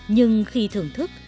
nhưng khi thưởng thức